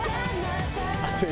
熱い。